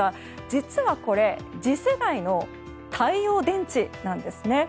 実はこれ次世代の太陽電池なんですね。